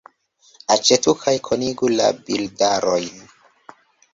Aĉetu kaj konigu la bildarojn.